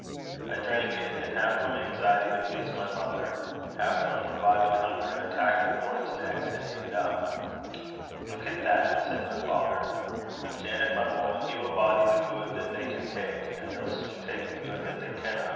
I drank it; and, half from anxiety to please my mother, half from reviving hunger, attacked the porridge next, and ate it up. 'Leuk at that!' said my father. 'Janet, my woman, gie a body the guid that they can tak', an' they'll sune tak' the guid that they canna.